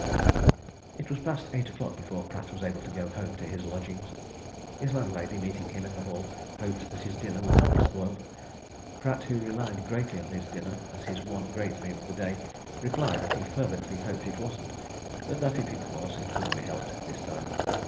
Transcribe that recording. It was past eight o'clock before Pratt was able to go home to his lodgings. His landlady, meeting him in the hall, hoped that his dinner would not be spoiled: Pratt, who relied greatly on his dinner as his one great meal of the day, replied that he fervently hoped it wasn't, but that if it was it couldn't be helped, this time.